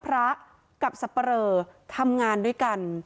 พระกับสับปะเรอทำงานด้วยกัน